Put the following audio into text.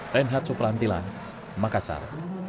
renhat suprantilan makassar